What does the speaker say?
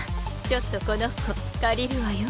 ちょっとこの子借りるわよ。